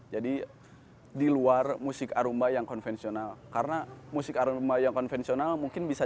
ya saya tidak mengenalnya